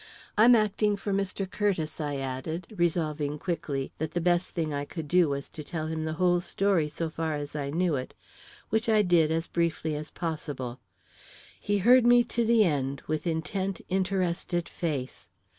I'm acting for Mr. Curtiss," I added, resolving quickly that the best thing I could do was to tell him the whole story so far as I knew it, which I did, as briefly as possible. He heard me to the end with intent, interested face.